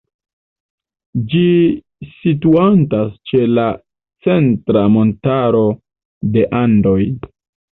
Ĝi situantas ĉe la Centra Montaro de Andoj.